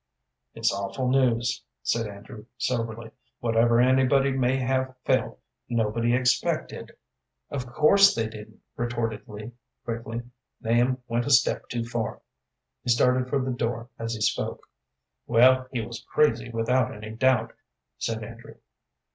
"It's awful news," said Andrew, soberly. "Whatever anybody may have felt, nobody expected " "Of course they didn't," retorted Lee, quickly. "Nahum went a step too far." He started for the door as he spoke. "Well, he was crazy, without any doubt!" said Andrew.